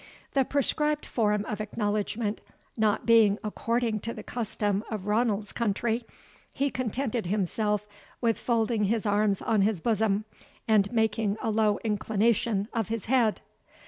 The prescribed form of acknowledgment not being according to the custom of Ranald's country, he contented himself with folding his arms on his bosom, and making a low inclination of his head.